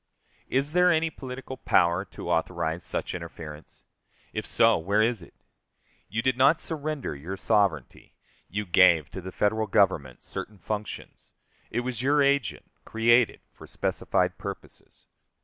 Is there any political power to authorize such interference? If so, where is it? You did not surrender your sovereignty. You gave to the Federal Government certain functions. It was your agent, created for specified purposes.